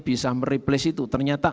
bisa mereplace itu ternyata